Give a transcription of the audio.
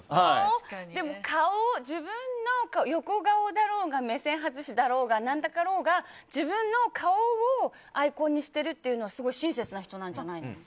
でも、自分の横顔だろうが目線外しだろうかなんだろうが自分の顔をアイコンにしてるっていうのはすごい親切な人なんじゃないの？